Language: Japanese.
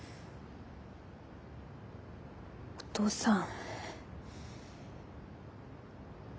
お父さん。